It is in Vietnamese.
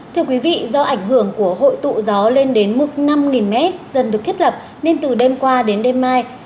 thưa quý vị do ảnh hưởng của hội tụ gió lên đến mực năm m dần được thiết lập nên từ đêm qua đến đêm mai